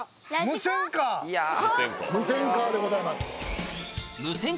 無線カーでございます。